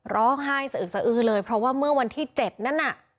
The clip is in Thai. ร้องไห้สะอึกสะอือเลยเพราะว่าเมื่อวันที่๗นั้นน่ะ